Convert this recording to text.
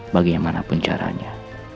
bagi yang mana pun caranya